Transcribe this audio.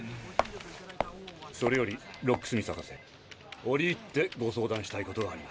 それよりロックスミス博士おりいってご相談したいことがあります。